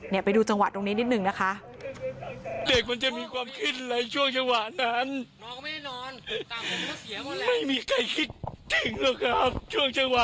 เนี่ยไปดูจังหวะตรงนี้นิดนึงนะคะ